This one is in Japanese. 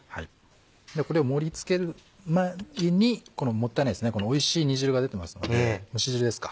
ではこれを盛り付ける前にこのもったいないおいしい煮汁が出てますので蒸し汁ですか